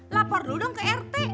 lapor dulu dong ke rt